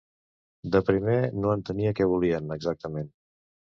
De primer, no entenia què volien, exactament.